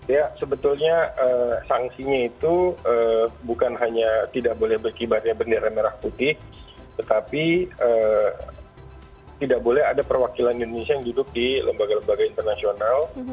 ya sebetulnya sanksinya itu bukan hanya tidak boleh berkibarnya bendera merah putih tetapi tidak boleh ada perwakilan indonesia yang duduk di lembaga lembaga internasional